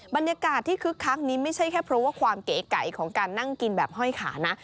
บรรยากาศที่คึกคักนี้ไม่ใช่แค่เพราะว่าความเก๋ไก่ของการนั่งกินแบบห้อยขานะ